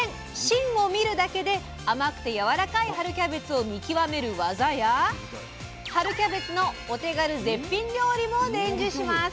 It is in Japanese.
芯を見るだけで甘くてやわらかい春キャベツを見極める技や春キャベツのお手軽絶品料理も伝授します！